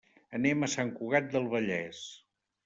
Anem a Sant Cugat del Vallès.